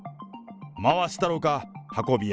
回したろか、運び屋。